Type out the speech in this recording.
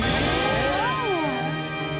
ラーメン？